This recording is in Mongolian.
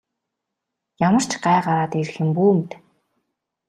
Ямар ч гай гараад ирэх юм бүү мэд.